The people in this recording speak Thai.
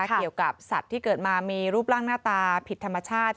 เกี่ยวกับสัตว์ที่เกิดมามีรูปร่างหน้าตาผิดธรรมชาติ